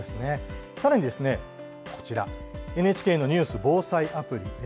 さらにＮＨＫのニュース・防災アプリ。